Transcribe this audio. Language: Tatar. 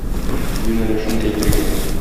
Юнәлешен әйтергә.